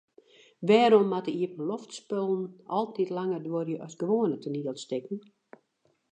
Wêrom moatte iepenloftspullen altyd langer duorje as gewoane toanielstikken?